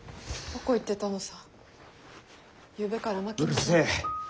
うるせえ！